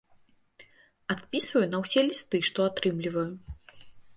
Адпісваю на ўсе лісты, што атрымліваю.